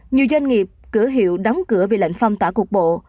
nhiều doanh nghiệp cửa hiệu đóng cửa vì lệnh phong tỏa cục bộ